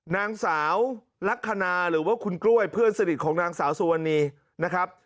นางสาวลักษณะหรือว่าคุณกล้วยเพื่อนสนิทของนางสาวสุวรรณีนะครับ